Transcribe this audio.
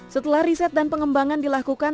setelah riset dan pengembangan dilakukan